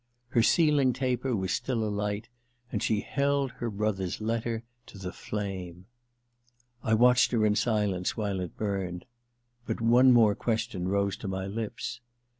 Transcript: Her sealing taper was still alight, and she held her brother's letter to the flame. I watched her in silence while it burned ; but one more question rose to my lips.